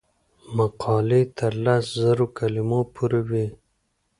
مقالې تر لس زره کلمو پورې وي.